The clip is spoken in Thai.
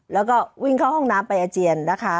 แล้วก็วิ่งเข้าห้องน้ำไปอาเจียนนะคะ